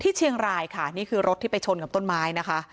เชียงรายค่ะนี่คือรถที่ไปชนกับต้นไม้นะคะ